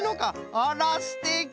あらすてき！